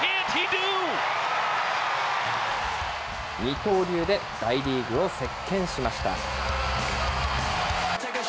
二刀流で大リーグを席けんしました。